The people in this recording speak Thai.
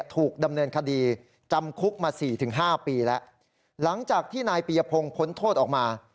ถูกดำเนินคดีจำคุกมาสี่ถึงห้าปีแล้วหลังจากที่นายปียพงศ์พ้นโทษออกมา